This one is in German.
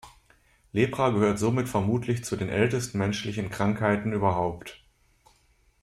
Lepra gehört somit vermutlich zu den ältesten menschlichen Krankheiten überhaupt.